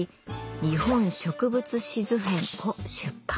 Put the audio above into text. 「日本植物志図篇」を出版。